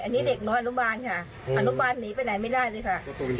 อันนี้เด็กน้อยอนุบาลค่ะอนุบาลหนีไปไหนไม่ได้เลยค่ะ